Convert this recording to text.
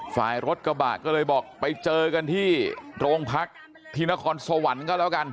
ฝ่ายรถกระบะก็เลยบอกไปเจอกันที่โรงพักที่นครสวรรค์ก็แล้วกัน